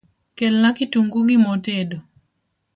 Kelna kitungu gi mo tedo